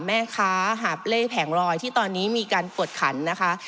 แม่ค้าหาบเลขแผงลอยที่ตอนนี้มีการกวดขันนะคะ